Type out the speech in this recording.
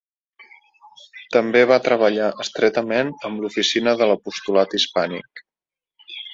També va treballar estretament amb l'oficina de l'apostolat hispànic.